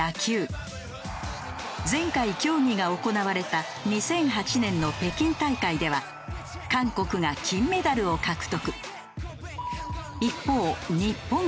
前回競技が行われた２００８年の北京大会では韓国が金メダルを獲得。